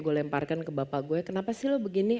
gue lemparkan ke bapak gue kenapa sih lo begini